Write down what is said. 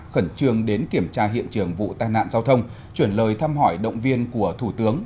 khẩn trương đến kiểm tra hiện trường vụ tai nạn giao thông chuyển lời thăm hỏi động viên của thủ tướng